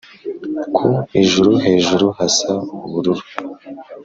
ku ijuru hejuru hasa ubururu